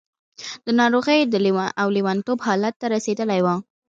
د ناروغۍ او لېونتوب حالت ته رسېدلې وه.